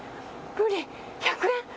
プリン１００円。